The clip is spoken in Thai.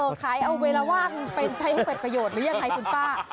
ขายเอาเวลาว่างไปใช้ให้เกิดประโยชน์หรือยังไงคุณป้า